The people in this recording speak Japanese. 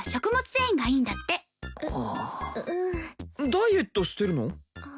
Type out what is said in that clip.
ダイエットしてるの？